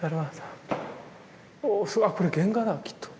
おすごいあっこれ原画だきっと。